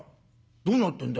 どうなってんだ。